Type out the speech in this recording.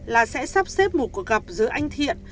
là sẽ sắp xếp một cuộc gặp giữa anh thiện